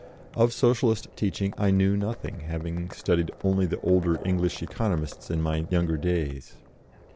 Of Socialist teaching I knew nothing, having studied only the older English Economists in my younger days.